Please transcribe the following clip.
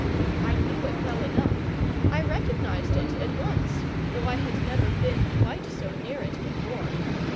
I knew it well enough, I recognized it at once, though I had never been quite so near it before.